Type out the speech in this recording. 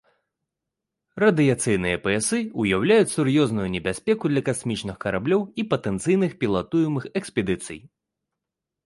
Радыяцыйныя паясы ўяўляюць сур'ёзную небяспеку для касмічных караблёў і патэнцыйных пілатуемых экспедыцый.